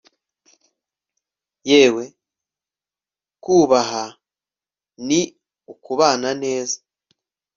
yeee kubaha ni ukubana neza